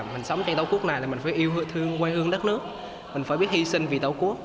mình sống trên tàu cút này là mình phải yêu hữu thương quen hương đất nước mình phải biết hy sinh vì tàu cút